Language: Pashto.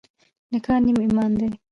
نکاح نیم ایمان دی.